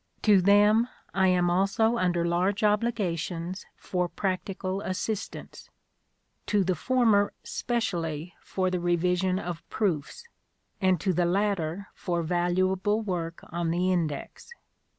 To them I am also under large obligations for practical assistance ; to the former specially for the revision of proofs, and to the latter for valuable work on the Index.